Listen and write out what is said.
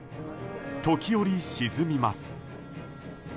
時折、沈みます。